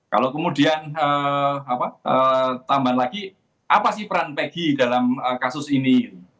kalau kemudian tambahan lagi apa sih peran peggy dalam kasus ini